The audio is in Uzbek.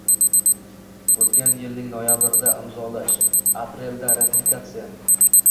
O‘tgan yilning noyabrida imzolash, aprelda — ratifikatsiya.